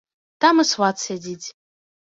Там і сват сядзіць.